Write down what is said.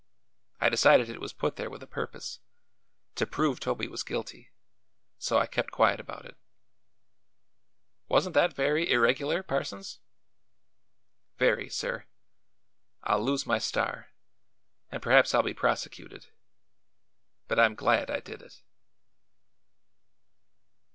I decided it was put there with a purpose to prove Toby was guilty so I kept quiet about it." "Wasn't that very irregular, Parsons?" "Very, sir. I'll lose my star, and perhaps I'll be prosecuted. But I'm glad I did it."